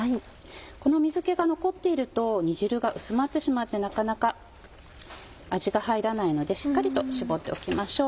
この水気が残っていると煮汁が薄まってしまってなかなか味が入らないのでしっかりと絞っておきましょう。